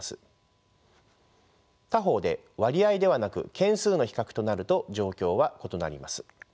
他方で割合ではなく件数の比較となると状況は異なります。